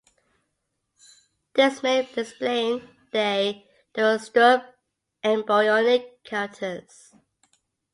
This may explain their deuterostome embryonic characters.